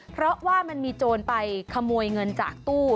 เพราะว่ามันมีโจรไปขโมยเงินจากตู้